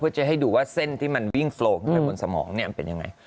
เพื่อจะให้ดูว่าเส้นที่มันวิ่งโลงขึ้นไปบนสมองเนี่ยมันเป็นยังไง